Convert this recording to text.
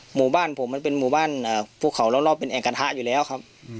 หมู่บ้านผมมันเป็นหมู่บ้านภูเขารอบเป็นแอ่งกระทะอยู่แล้วครับ